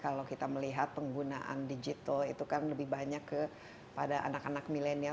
kalau kita melihat penggunaan digital itu kan lebih banyak kepada anak anak milenial